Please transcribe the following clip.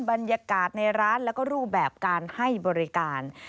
บรรยากาศในร้านแล้วก็รูปแบบการให้บริการ